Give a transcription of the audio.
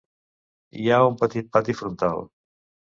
Hi ha un petit pati frontal.